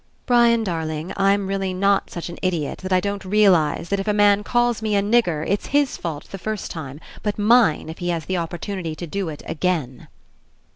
"Brian, darling, I'm really not such an, idiot that I don't realize that if a man calls me a nigger, it's his fault the first time, but mine if he has the opportunity to do It again."